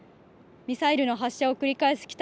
ミサイルの発射を繰り返す